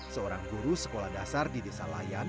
seorang guru sekolah dasar di desa layan